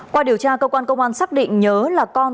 qua điều tra cơ quan công an xác định nhớ là con